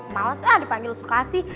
males ah dipanggil sukasih